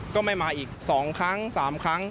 ก็ไม่มาอีก๒ครั้ง๓ครั้ง